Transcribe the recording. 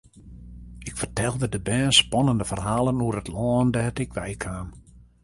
Ik fertelde de bern spannende ferhalen oer it lân dêr't ik wei kaam.